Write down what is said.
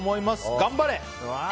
頑張れ！